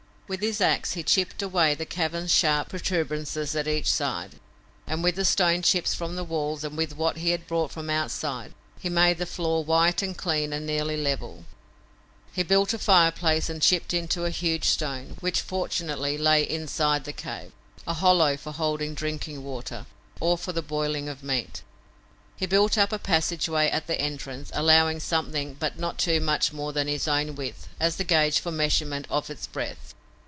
With his ax he chipped away the cavern's sharp protuberances at each side, and with the stone chips from the walls and with what he brought from outside, he made the floor white and clean and nearly level. He built a fireplace and chipped into a huge stone, which, fortunately, lay inside the cave, a hollow for holding drinking water, or for the boiling of meat. He built up a passage way at the entrance, allowing something but not too much more than his own width, as the gauge for measurement of its breadth.